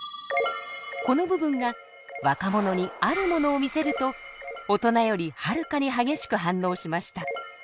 この部分が若者にあるものを見せると大人よりはるかに激しく反応しました。